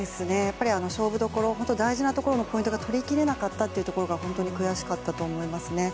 勝負どころ大事なところのポイントが取り切れなかったというところが本当に悔しかったと思いますね。